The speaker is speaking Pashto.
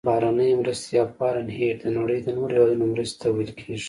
بهرنۍ مرستې Foreign Aid د نړۍ د نورو هیوادونو مرستې ته ویل کیږي.